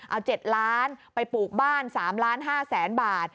เอา๗ล้านไปปลูกบ้าน๓ล้าน๕แสนบาท